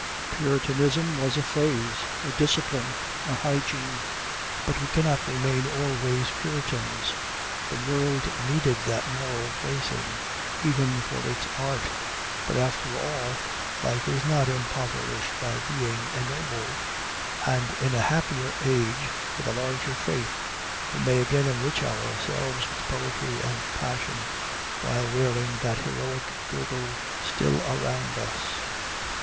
Puritanism was a phase, a discipline, a hygiene; but we cannot remain always Puritans. The world needed that moral bracing, even for its art; but after all, life is not impoverished by being ennobled; and in a happier age, with a larger faith, we may again enrich ourselves with poetry and passion, while wearing that heroic girdle still around us.